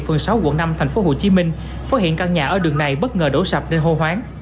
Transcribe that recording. phường sáu quận năm tp hcm phát hiện căn nhà ở đường này bất ngờ đổ sập gây hô hoáng